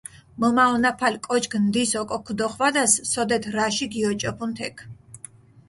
მჷმაჸონაფალი კოჩქ ნდის ოკო ქჷდოხვადას, სოდეთ რაში გიოჭოფუნ თექ.